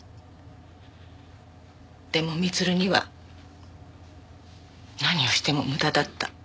でも光留には何をしても無駄だった。